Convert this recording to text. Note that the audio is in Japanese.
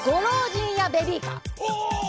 お！